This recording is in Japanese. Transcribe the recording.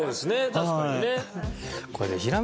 確かにね。